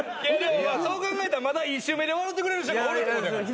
そう考えたらまだ１週目で笑うてくれる人がおるってことやから。